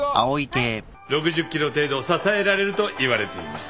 ６０ｋｇ程度支えられるといわれています。